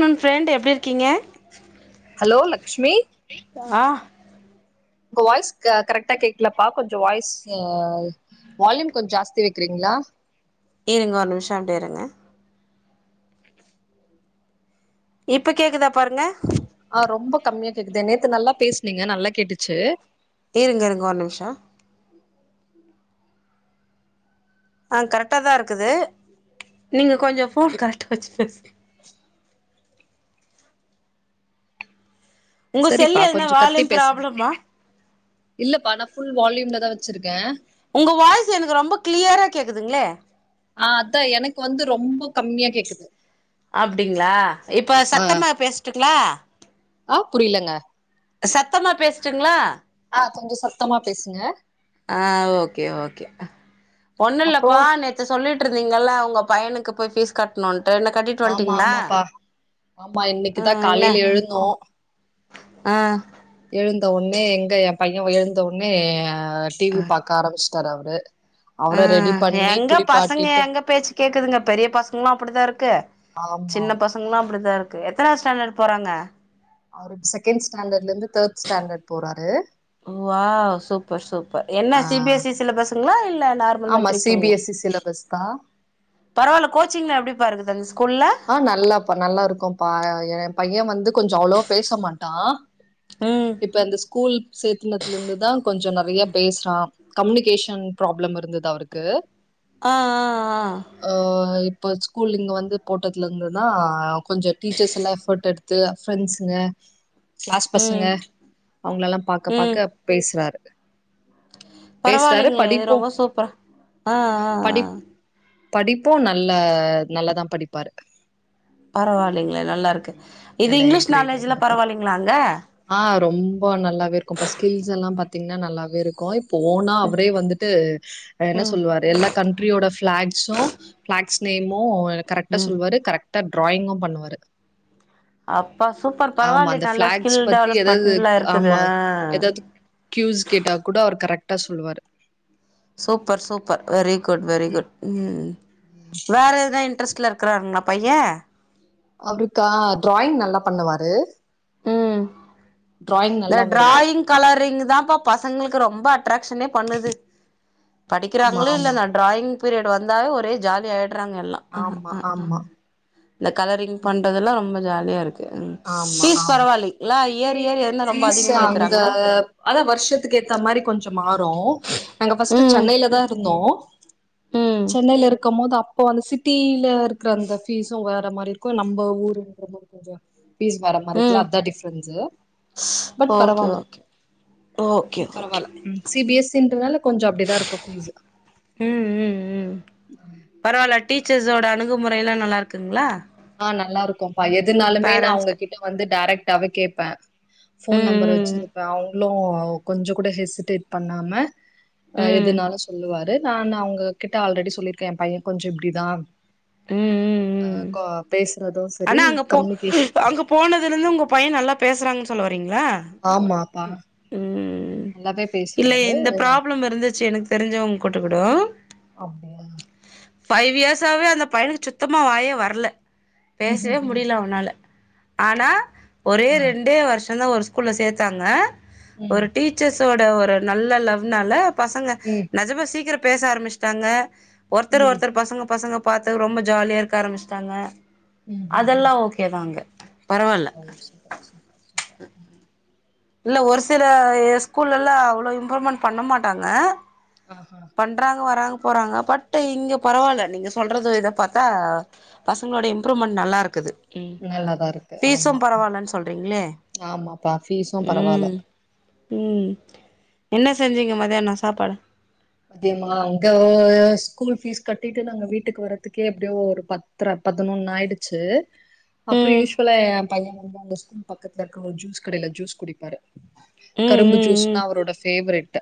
னுன் friend எப்டிருக்கீங்க hello Lakshmi ஆ உங்க வாய்ஸ் க கரெக்ட்டா கேக்கலப்பா கொஞ்சொ வாய்ஸு வால்யூ கொஞ் ஜாஸ்தி வெக்றீங்ளா இருங்க ஒரு நிம்ஷோ அப்டியே இருங்க இப்ப கேக்குதா பாருங்க ஆ ரொம்ப கம்மியா கேக்குதே நேத்து நல்லா பேசுனீங்க நல்லா கேட்டுச்சு இருங்க இருங்க ஒரு நிம்ஷோ ஆ கரெகட்டா தா இருக்குது நீங்க கொஞ்சொ ஃபோன் கரெட்டா வெச்சு பேசுங்க உங்க செரிப்பா செல்லு எதுனா கொஞ்சொ கத்தி வால்யூம் பேசுங் ப்ராப்ளமா இல்லப்பா நா ஃபுல் வால்யூம்லதா வெச்சிருக்கே உங்க வாய்ஸ் எனக்கு ரொம்ப கிளியரா கேக்குதுங்ளே ஆ அதா எனக்கு வந்து ரொம்ப கம்மியா கேக்குது அப்டிங்ளா இப்ப ஆ சத்தமா பேசட்டுங்ளா ஆ புரியலங்க சத்தமா பேசட்டுங்ளா ஆ கொஞ்சொ சத்தமா பேசுங்க ஆ ஓகே ஓகே அப்றோ ஒன்னுல்லப்பா நேத்து சொல்லிட்ருந் தீங்கள ஒங்க பையனுக்கு போய் ஃபீஸ் கட்ணுன் என்ன கட்டீட் ஆமா வன்டீங்ளா ஆமாப்பா ஆமா இன்னைக்குதா ம் இல்ல காலையில ஆ எழுந்தவொன்னே எங்க எ பைய எழுந்தவொன்னே ஆ டி வி பாக்க ஆரம்மிச்ட்டாரு அவரு அவர ஆ ரெடி பண்ணி எங்க பசங்க குளிப்பாட்டிட்டு எங்க பேச்சு கேக்குதுங்க பெரிய பசங்களு அப்டிதா இருக்கு ஆமா சின்ன பசங்களு அப்டிதா இருக்கு எத்தனாது ஸ்டாண்டர்ட் போறாங்க அவரு இப்ப செகெண்ட் ஸ்டாண்டர்ட்ல இருந்து தேர்ட் ஸ்டாண்டர்ட் போறாரு வாவ் சூப்பர் சூப்பர் என்ன ஆ சி பி எஸ் இ சிலபசுங்ளா இல்ல நார்மல் ஆமா மெட்ரி்க்குங்ளா சிபிஎஸ்இ சிலபஸ் தா பரவால்ல கோச்சிங்லா எப்டிப்பா இருக்கு ஆ நல்லாப்பா நல்லா இருக்கும்ப்பா எ பைய வந்து கொஞ்சொ அவ்ளோவா பேச மாட்டா ம் இப்ப இந்த ஸ்கூல் சேத்தனத்துலருந்துதா கொஞ்சொ நெறையா பேசுறா கம்னிகேஷன் ப்ராப்ளம் இருந்தது அவருக்கு ஆ ஆ ஆ பட் ஸ்கூல் இங்க வந்து போட்டதுலருந்துதா கொஞ்சொ டீச்சர்ஸ் எல்லா ஃபோட்டோ எடுத்து ஃப்ரெண்ட்ஸுங்க கிளாஸ் பசங்க ம் அவ்ங்களலா பாக்க ம் பாக்க பேசுறாரு பேசுறாரு பரவால்லைங்ளே படிப்பு ரொம்ப சூப்பர் ஆ ஆ படி ஆ படிப்பு நல்ல நல்லதா படிப்பாரு பரவாலெல்லங்களே நல்லா இருக்கு இது எல்லா இங்கிலீஷ் நாலேஜ்ல பரவாலெல்லங்ளா அங்க அ ரொம்ப நல்லாவே இருக்கு இப்ப ஸ்கில்ஸ் எல்லா பாத் பாத்தீங்ன்னா நல்லாவே இருக்கு இப்ப போனா அவரே வந்துட்டு என்ன ம் சொல்லுவாரு எல்லா கண்ட்ரியோட ஃபிளாக்ஸும் ஃபிளாக்ஸ் நேமு கரெக்டா ம் சொல்வாரு கரெக்டா ட்ராயிங்கு பண்ணுவாரு அப்பா சூப்பர் ஆமா, பரவாயில்லயே அந்த நல்லா ஃபிளாக்ஸ் ஸ்கில் பத்தி ஏதாவது டெவலப்மெண்ட்லா இருக்குது ஆமா. ஏதாவது கியூஸ் கேட்டா கூட அவர் கரெட்டா சொல்வாரு super super very good very good ம் வேற எதுனா இன்ட்ரெஸ்ட்ல இருக்கு இருக்குறாருங்களா பைய அவருக்கா டிராயிங் நல்லா பண்ணுவாரு ம் டிராயிங் இந்த நல்லா வரும். டிராயிங் கலரிங் தான்ப்ப பசங்களுக்கு ரொம்ப அட்ராக்சனே பண்ணுது ஆமா, படிக்கிறாங்களோ ஆமா. இல்லன்னா டிராயிங் பீரியட் வந்தாவே ஒரே ஜாலிய ஆயிட விட்டுறாங்க எல்லா ஆமா, ஆமா. இந்த கலரிங் பண்றதுல்லா ரொம்ப ஆமா ஃபீஸ் ஆமா பரவாயில்லைங்களா இயர் இயர் எதுனா ரொம்ப ஃபீஸ் அதிகமா அங்க ஏத்துறாங்களா அதா வருஷத்துக்கே ஏத்த மாரி கொஞ்ச மாறு று நாங்க பஸ்ட்ட் ம் சென்னையில தா இருந்தோ ம் சென்னையில இருக்கம் போது அப்ப ப்ப அந்த சிட்டியில இருக்கிற அந்த ஃபீஸ்சும் வேற மாரி இருக்கு நம்ம ஊருங்கு ஃபீஸ் வேற மாரியிருக்குல்லா ம் அத்தா டிஃரன்ஸ்சு பட் ஓகே பரவாயில்ல ஓகே ஓகே ஓகே பரவாயில்ல சி பி எஸ் சி ன்றனால கொஞ்சோ அப்பிடிதா இருக்கு ஃபீஸ்சு ம் ம் ம் பரவாயில்ல டீச்சர்ஸோட அணுகுமுறை எல்லா நல்லா இருக்குங்ளா அ நல்லா இருக்கும்ப்பா எதுனாலுமே நா பேரண்ட்ஸ்க்கு அங்ககிட்ட வந்து டேரெக்டாவே கேட்பே போன் நம்பர் ம் வெச்சிருப்பே அவங்களு கொஞ்சோ கூட ஹெசிடேட் பண்ணாம அ ம் ம் எதுனாலு சொல்லுவாரு நா அவங்க கிட்ட ஆல்ரெடி சொல்லியிருக்கே ஏ பைய கொஞ்சோ இப்பிடிதா ம் அ ம் கோ பேசு ஆனா அங்க போ அங்க போனதுல இருந்து உங்க பைய நல்லா பேசுறாங்க சென் செரீங்ளா ஆமாப்பா நல்லாவே இல்ல பேசுறாரு இந்த ப்ராப்ளம் இருந்துச்சு எனக்கு தெரிஞ்சவங்க குட்டகூடோ அப்டியா ஃபைவ் இயர்ஸாவே அந்த பையனுக்கு சுத்தமா வாயே வர்ல ம் பேசவே ம் ம் முடில அவனால ஆனா ஒரே ஆ ரெண்டே வருஷம் தா ஒரு ஸ்கூல்ல சேத்தாங்க ஒரு ம் டீச்சர்ஸோட ஒரு நல்ல லவ்னால பசங்க ம் நெஜமா சீக்கிரோ பேச ஆரம்பச்சிட்டாங்க ஒருத்தர் ம் ஒருத்தர் பசங்க பசங்க பார்த்து ரொம்ப ஜாலியா இருக்க ஆரம்பிச்சிட்டாங்க ம் ம் அதெல்லா ம் ஓகே தா அங்க ஓ சூப்பர் சூப்பர் சூப்பர் இல்ல ஒரு சில ஸ்கூல்ல எல்லா அவ்ளோ இம்ப்ரூவ்மென்ட் பண்ண மாட்டாங்க ஆஹா பண்றாங்க வராங்க போறாங்க பட்டு் இங்கே பரவாயில்ல நீங்கள் சொல்றது இத பாத்தா பசங்களோட இம்ப்ரூவ்மெண்ட் நல்லா இருக்குது ம் நல்லாதா இருக்கு ஆமா ஃபீஸும் பரவால்லன்னு சொல்றீங்களே ஆமாப்பா ஃபீசும் பரவாயில்ல ம் ம் என்ன செஞ்சீங்க மதியானோ சாப்பாடு மதியமா அங்க ஸ்கூல் ஃபீஸ் கட்டிட்டு நாங்க வீட்டுக்கு வர்றதுக்கே எப்டியோ ஒரு பத்தர பதனொன்னு ஆயிடுச்சு அப்புறோ ம் யூஸ்வுலா ஏ பைய அங்க ஸ்கூல் பக்கத்துல இருக்குற ஒரு ஜூஸ் கடையில ஜூஸ் குடிப்பாரு ம் கரும்பு ம் ஜூஸ்னா ம் அவரோட பேவரெட்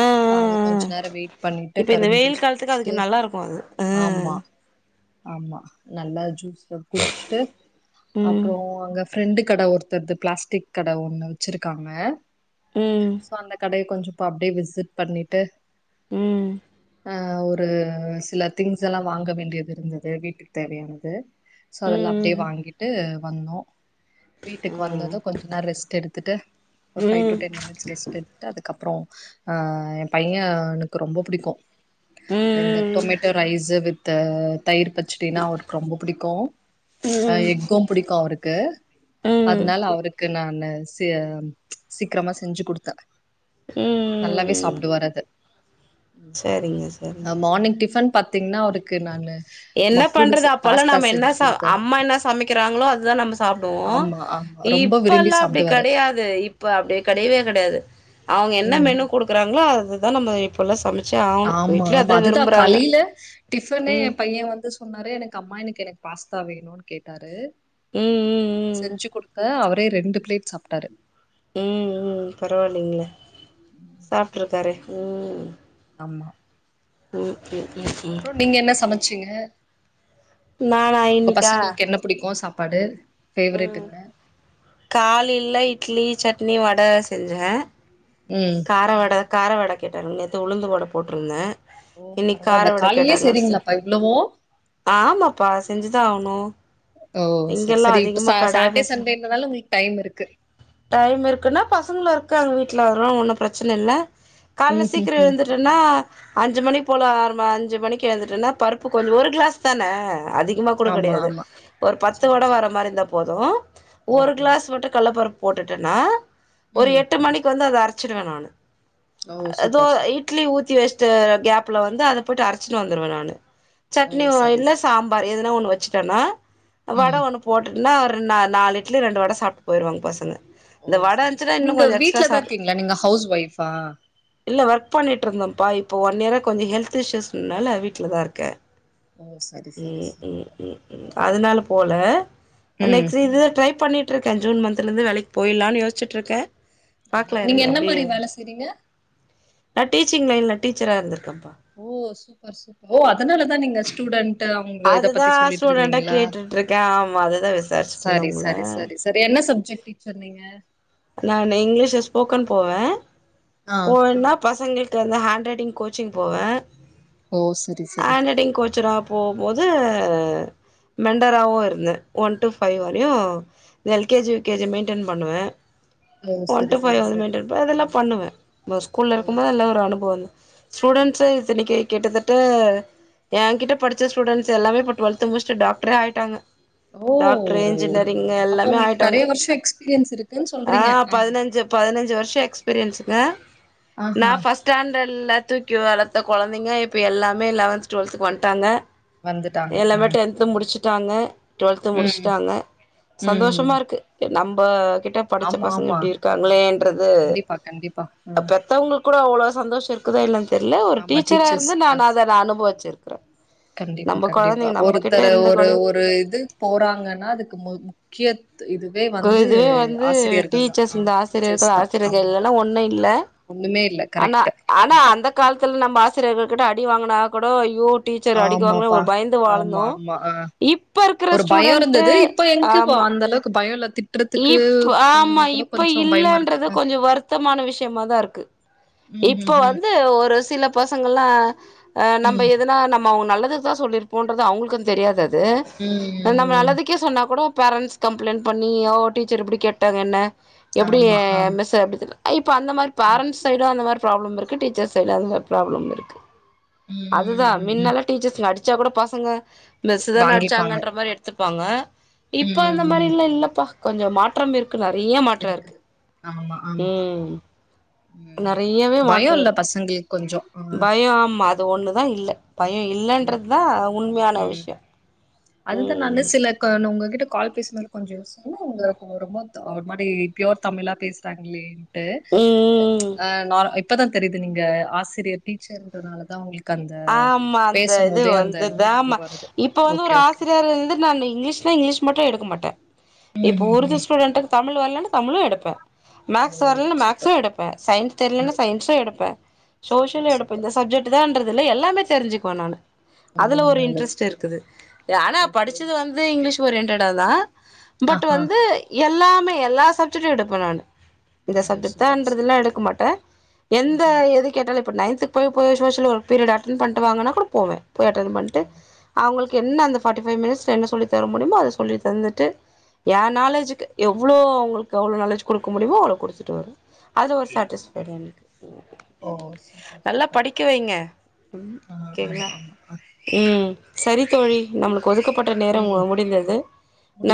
ஆ ஆ அங்க கொஞ்ச ஆ நேரம் வெயிட் பண்ணிட்டு இப்ப இந்த கரும்பு வெயில் ஜூஸ் காலத்துக்கு குடிச்சுட்டு அதுக்கு நல்லா இருக்கு அது ஆ ஆமா ஆமா நல்லா ஜூஸ்ல குடிச்சுட்டு ம் அப்புறோ அங்க ஃப்ரெண்டு கட ஒருத்த பிளாஸ்டிக் கட ஒண்ணு வெச்சிருக்காங்க ம் சோ அந்த கடைய கொஞ்சோ போய் அப்டியே விசிட் பண்ணிட்டு ம் அ ஒரு ஒரு சில திங்ஸ் எல்லா வாங்க வேண்டியது இருந்தது வீட்டுக்கு தேவையானது சோ அதெல்லா அப்டியே ம் ம் வாங்கிட்டு வந்தோ வீட்டுக்கு வந்தது கொஞ்ச நேர ரெஸ்ட் எடுத்துட்டு ம் ஒரு ஃபைவ் டு ம் டென் மினிட்ஸ் ரெஸ்ட் எடுத்துட்டு அதுக்கப்றோ ஆ பைய எனக்கு ரொம்ப புடிக்கு இந்த ம் டொமேட்டோ ரைஸு வித்து தயிர் பச்சடினா அவருக்கு ரொம்ப புடிக்கு அ எஃகு புடிக்கு அவருக்கு ம் அதுனால அவருக்கு நானு சிய சீக்ரமா செஞ்சு குடுத்தே நல்லாவே ம் ம் சாப்டுவாரு அது சரிங்க அ சரிங்க மார்னிங் டிஃபன் பாத் த்தீங்னா அவருக்கு நானு என்ன மக்ரூனி பண்றது அப்போலா பாஸ்தா நம்ம என்ன செஞ்சு ச குடுத்தே அம்மா என்ன சமைக்கிறாங்களோ அதுதா நம்ம சாப்டுவோ ஆமா, ஆமா. ரொம்ப விரும்பி இப்பெல்லா அப்டி சாப்பிடுவாரு. கெடையாது இப்ப அப்டி கெடையவே கெடையாது அவ்ங்க என்ன ம்ஹ்ம். மெனு குடுக்குறாங்ளோ அதுதா நம்ம இப்போலா சமச் ஆமா ஆமா அதுதா காலையில டிஃபனே எ ம் பைய வந்து சொ சொன்னாரு எனக்கு அம்மா இன்னைக்கு எனக்கு பாஸ்தா வேணுன் கேட்டாரு ம் ம் செஞ்சு குடுத்தே அவர் ரெ ரெண்டு பிளேட் சாப்ட்டாரு ம் ம் பரவால்லையே சாப்ட்ருக்காரே ம் ஆமா ம் ம் ம் ம் அப்றோ நீங்க என்ன சமச்சீங்க நானா உங்க இன்னைக்கா பசங்களுக்கு என்ன புடிக்கு சாப்பாடு ஃபேவரைட் ம் என்ன? காலைல இட்லி சட்னி வட செஞ்சே ம். கார வட கார வட கேட்டாரு நேத்து உளுந்து வட போட்ருந்தே ஓ! இன்னைக்கு கார பரவால்ல. வட காலையிலயே கேட்டாங்க செய்றீங்களாப்பா இவ்வளவும்? ஆமாப்பா செஞ்சுதா ஆவணு ஓ செரி செரி இப்ப சா சாட்டே ஃபெஸ்ட் சண்டேன்றதனால உங்களுக்கு டைம் இருக்கு டைம் இருக்குனா பசங்களு இருக்காங்க வீட் ட்ல வரு ஒன்னு பிரச்சன இல்ல கால்ல சீக்கிர ம்ஹ்ஹ்ம். எழுந்துர்றனா அஞ்சு மணி போல ஆறு ம அஞ்சு மணிக்கு எழுந்துட்டேன்னா பருப்பு கொஞ்ச ஒரு கிளாஸ் தான அதிகமா கூட ஆமா, கெடையாது ஆமா. ஒரு பத்து சரி, வட வர சரி. சரி. மாரி இருந்தா போது ஓ, ஒரு ஓ. கிளாஸ் மட்டு கட்லப்பருப்பு போட்டுட்டன்னா ஒரு ம். எட்டு மணிக்கு வந்து அத அரச்சிருவ நானு ஓ! அதோ சூப்பர், சூப்பர். இட்லி ஊத்தி வச்ட்டு கேப்ல வந்து அத போயிட்டு அரச்சுட்டு வந்துருவ நானு ஓ! சட்னியு சரி. இல்ல சரி. சாம்பார் எதுனா ஒன்னு வச்சுட்டன்னா வட ம். ஒன்னு போட்டு என்ன ஒரு நா நாலு இட்லி ரெண்டு வட சாப்ட்டு போயிருவாங்க பசங்க ஓ இந்த வட சரி இருந்ச்சுனா சரி இன்னு நீங்க கொஞ்ச எக்ஸ்ட்ரா வீட்லதா சாப் இருக்கீங்களா நீங்க ஹவுஸ் ஒய்ஃபா இல்ல ஒர்க் பண்ணிட்ருந்தோம் பா இப்ப ஒன் இயரா கொஞ்ச ஹெல்த் இஷ்யூஸ்னால வீட்ல தா இருக்கே ஓஸ் ம் ம் ம் ம் அதுனால போல ம் நெக்ஸ்ட் இது ட்ரை பண்ணிட் ட்ருக்கே ஜூன் மந்த்ல இருந்து வேலைக்கு போயிட்லான்னு யோஸ்ச்சிட்ருக்க அப்டியா நீங்க என்ன டே மாரி வேல செய்றீங்க நா டீச்சிங் லைன்ல டீச்சரா இருந்திருக்கே ஓ சூப்பர் சூப்பர் ஓ அதனாலதா நீங்க ஸ்டூடண்ட் டு அவ்ங்க இத அதுதா பத்தி ஸ்டூடெண்டா சொல்லிட்ருந்தீங்ளா கேட்டுட்டு இருக்கே ஆமா அதுதா விசாரிச்சுட்டு இருந்தே சரி உங்கள சரி சரி சரி என்ன சப் ஜெக்ட் டீச்சர் நீங்க நானு இங்லீஷு ஸ்போக்கன் போவே ஆ போவேன்னா பசங்களுக் கு அந்த ஹேண்ட் ரைட்டிங் கோச்சிங் போவே ஓ சரி சரி ஹேண்ட் ரைட்டிங் கோச்சரா போகம்போது து மெண்டராவு இருந்தே ஒன் டூ ஃபைவ் வரையு L K G U K G maintain பண்ணுவே ம் ஒன் டூ ஃபைவ் வந்து மெயிண்டென் பண் அதெல்லா பண்ணுவே இந்த ஸ்கூல்ல ஓ இருக்கும்போது எல்ல சரி ஒரு அனுபவந்தா ஸ்டூடண்ஸு இத்தனைக்கு கிட்டத்தட்ட என் கிட்ட படிச்ச ஸ்டூடெ்ஸ் எல்லாமே இப்ப டுவெல்த்து முச்சிட்டு டாக்டரே ஆயிட்டாங்க ஓ டாக்டரு இன்ஜினியரிங் அப்ப எல்லாமே உங்களுக்கு ஆயிட்டாங்க நெறைய வருஷோ எக்ஸ்பீரியன்ஸ் இருக்குன்னு சொல்றீங்க ஆஹ் ஆ பதினஞ்சு பதினஞ்சு வருஷ எக்ஸ்பீரியன்ஸுங்க நா ஆஹா ஃபர்ஸ்ட் ஸ்டாண் டர்டுலா தூக்கி வளத்த கொழந்தைங்க இப்ப எல்லாமே லவன்த் டுவெல்த்துக்கு வண்ட்டாங்க வந்துட்டாங்க ஆ எல்லாமே டென்த்து முடிச்சிட் டாங்க டுவெல்த்து ம் முடிச்சிட்டாங்க ம் சந்தோஷமா இருக்கு நம்ப கிட் படிச்ச ஆமா பசங்க ஆமா இப்டி இருக்காங்களேன்றது கண்டிப்பா கண்டிப்பா ம் பெத்தவங்களுக்கு கூட அவ்ளவு சந்தோஷ இருக்குத என்னனு தெரில ஒரு ஆமா டீச்சரா டீச்சர்ஸ் இருந்து நா தா நா அத நா அனுப வச்சிருக்குற கண்டிப்பா கண்டிப்பா ஒருத்தர் ஒரு கொழந்தை ஒரு இது போறாங்கன்னா அதுக்கு முக்கிய இதுவே வந்து இதுவே வந்து ஆசிரியர்கள் தா டீச்சர்ஸ் ஆ இந்த ஆசிரியர் டீச்சர்ஸ் தா ஆசிரியர்கள் ஆமா இல்லைன்னா ஒன்னு இல்ல ஒண்ணுமே இல்ல ஆனா கரெக்ட் ஆனா அந்த காலத்துல நம்ம ஆசிரியர்கள் கிட்ட அடி வாங்கினா கூட ஐயோ டீச்சர் அடிக்குவாங்ளோ ஆமாப்பா ஒரு பயந்து ஆமா வாழ்ந்தோ ஆமா ஆ இப்ப இருக்கற ஒரு பயோ இருந்தது ஸ்டூடண்டட் இப்ப எங்கப்பா ஆமா அந்த அளவுக்கு பயோ இல்ல திட்டுறதுக்கு இப்ப இப்பனா ஆமா கூட இப்ப கொஞ்சோ பயமா இருக்கு இல்லன்றது அ கொஞ்ச வருத்தமான விஷயமாதா இருக்கு ம் ம் இப்ப வந்து ஒரு சில பசங்கள்லா அஹ் ம் நம்ம ம் எதுனா நம்ம அவங்க நல்லது நல்லதுக்குதா சொல்லிருப்போன்றது அவங்களுக்கு தெரியாது அது ம் நம்ம ம் நல்லதுக்கே சொன்னா கூட பேரண்ட்ஸ் கம்ப்ளைண்டட் பண்ணி ஓ டீச்சர் இப்டி கேட்டாங்க என்ன எப்டி ஆமா ஆமா மெஸ் எப்டி திட்ல இப்ப அந்த மாரி ம் பேரண்ட்ஸ் சைடு அந்த மாரி ப்ராப்ளம் இருக்கு டீச்சர்ஸ் சைடு அந்த மாரி ப்ராப்ளம் இருக்கு அதுதா ம் ம் ம் மின்னால டீச்சர்ஸ் அடிச்சா கூட பசங்க மிஸ்சுதான வாங்கிப்பாங்க அடிச்சாங்கன்ற மாரி எடுத்து இருப்பாங்க இப்ப அந்த ம் ம் மாரில்லா இல்லப்பா கொஞ்ச மாற்ற இருக்கு க்கு நறைய மாற்ற இருக்கு இருக்குது உம் உம் பயோ இல்ல பசங்களுக்கு கொஞ்ச பயம் அது ஒண்ணுதா இல்ல பயம் ம் இல்லன்றது தா உண்மையான ம் விஷயம் அதுதா நானு சில [unintelligible] உங்க கிட்ட கால் பேசும்போது கொஞ்ச யோசிச்சு என்ன இவங்க கொ ரொம்ப ஒரு மாரி பியூர் தமிழா பேசுறாங்லேனு ட்டு ம் ம் இப்பதா தெரியுது நீங்க ஆசிரியர் டீச்சர்ன்றதுனால தா உங்களுக்கு கந்த ஆமா அந்த இது வந்து [unintelligible] இப்ப வந்து ஓகே ஒரு ஓகே ஆசிரியர் இருந்து நா இங்கிலீஷ்ல இங்கிலீஷ் மட்டு எடுக்க மாட்ட ம் இப்போ ம் உருது ம் ஸ்டூடெண்ட்டுக்கு தமிழ் வரலன்னா தமிழு எடுப்பே ஓ மேக்ஸ் வரலன்ன மேக்ஸு சூப்பர் எடுப்பே சயின்ஸ் தெரிலன்னா நல்ல சயின்ஸு எடுப்பே சூப்பர் சோசியல் எடப்போ சூப்பர் இந்த சப்ஜெக்ட் என்றதுல்ல எல்லாமே தெரிஞ்சுக்குவே நானு ஓ அதுல ஒரு நல்லது இன்ட்ரெஸ்ட் இருக்குது ஆனா ஓகே படிச்சது ஓகே வந்து இங்கிலீஷ் ஓரியன்டெட்டா தா ஆ பட் ஆ வந்து எல்லாமே எல்லா சப்ஜெக்ட்டு எடுப்ப நானு இந்த ஓ சப்ஜெக்ட் சூப்பர் தான்றதுல்லா சூப்பர் எடுக்க மாட்ட ம் எந்த ம் எது கேட்டாலு இப்ப நைன்து து போய் போய் சோசியல் ஒரு பிரியடு அட்டென் பண்ணட்டுவாங்கன்னா கூட போவே போய் அட்டென் பண்ணிட்டு ஓ அவங்களுக்கு என்ன சூப்பர் அந்த சூப்பர் ஃபார்ட்டி ஃபைவ் மினிட்ஸ்ல என்ன சொல்லித் தர முடியுமோ அத சொல்லி தந்துட்டு என் நாலேஜக்கு எவ்வளவு அவங்களுக்கு அவ்வளவு நாலேஜ் கொடுக்க முடியுமோ அவ்ளவு கொடுத்துட்டு வருவ அது ஒரு சாட்டிஸ்ஃபைடு எனக்கு ஓ சூப்பர் நல்லா சூப்பர் படிக்க வைங்க உம் ஆ ஆமா கேரளா ஆமா ஆ உம் சேரி தோழி நம்மளுக்கு ஒதுக்கப்பட்ட நேரம் ம் முடிந்தது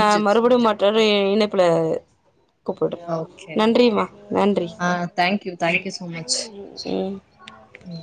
நான் மறுபடியு நெனைக்கிறே மாற்றோரு ஓகே இனைப்புல ஓகே நன்றி ஆஹ தேங்க்யூ தேங்க்யூ சோ மச் ம் உம்